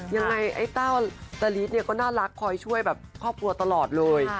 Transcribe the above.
ไอ้เต้าตาลีดเนี่ยก็น่ารักคอยช่วยแบบครอบครัวตลอดเลย